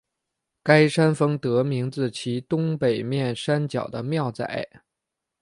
该山峰得名自其东北面山脚的庙仔。